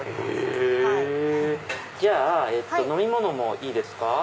へぇ！じゃあ飲み物もいいですか？